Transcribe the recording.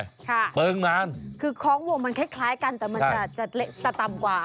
ค่ะคือคล้องวงมันคล้ายกันแต่มันจะต่ำกว่านี่เปิงมางนะคะ